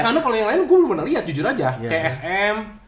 karena kalau yang lain gue belum pernah liat jujur aja kayak sm